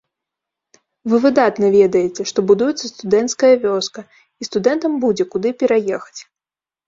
Вы выдатна ведаеце, што будуецца студэнцкая вёска, і студэнтам будзе куды пераехаць.